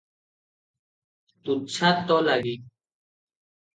ତୁଚ୍ଛା ତୋ ଲାଗି ।"